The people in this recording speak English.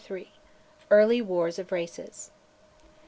EARLY WARS OF RACES.